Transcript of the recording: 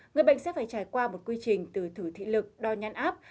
người bệnh sẽ phải trải qua một quy trình từ thử thị lực đo nhán áp